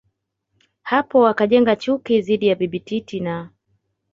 hapo akajenga chuki dhidi ya Bibi Titi na